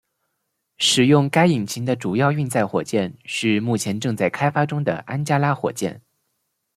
使用该引擎的主要运载火箭是目前正在开发中的安加拉火箭。